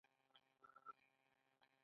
د عمراخان لېسه په اسداباد ښار یا کونړ کې